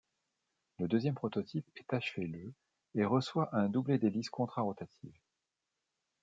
Le deuxième prototype est achevé le et reçoit un doublet d'hélices contrarotatives.